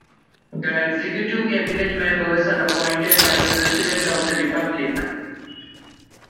The Executive Cabinet members are appointed by the President of the Republic.